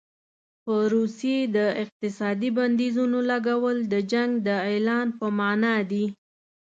په روسیې د اقتصادي بندیزونو لګول د جنګ د اعلان په معنا دي.